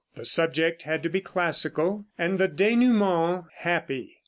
The subject had to be classical, and the dénouement happy.